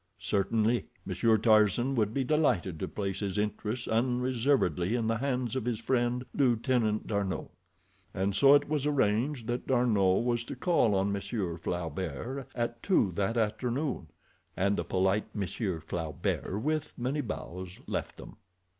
Certainly. Monsieur Tarzan would be delighted to place his interests unreservedly in the hands of his friend, Lieutenant D'Arnot. And so it was arranged that D'Arnot was to call on Monsieur Flaubert at two that afternoon, and the polite Monsieur Flaubert, with many bows, left them.